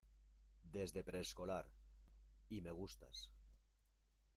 desde preescolar. y me gustas .